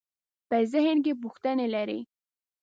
په ذهن کې پوښتنې لرئ؟